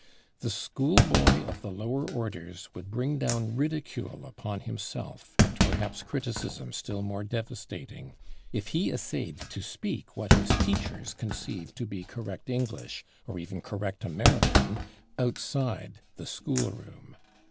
The school boy of the lower orders would bring down ridicule upon himself, and perhaps criticism still more devastating, if he essayed to speak what his teachers conceive to be correct English, or even correct American, outside the school room.